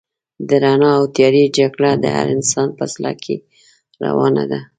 د رڼا او تيارې جګړه د هر انسان په زړه کې روانه ده.